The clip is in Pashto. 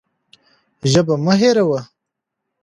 ژبه مه هېروئ.